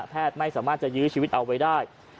ไม่สามารถจะยื้อชีวิตเอาไว้ได้